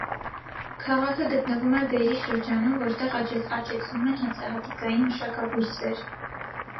Քաղաքը գտնվում է բերրի շրջանում, որտեղ աճեցնում են հացահատիկային մշակաբույսեր։